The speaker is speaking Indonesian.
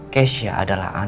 keisha adalah anaknya